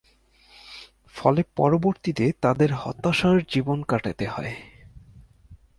ফলে পরবর্তীতে তাদের হতাশার জীবন কাটাতে হয়।